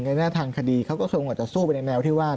ในหน้าทางคดีเขาก็คือมันก็จะสู้ไปในแนวที่ว่า